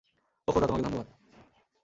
ওহ খোদা, তোমাকে ধন্যবাদ।